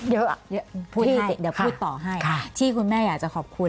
เดี๋ยวพูดต่อให้ที่คุณแม่อยากจะขอบคุณ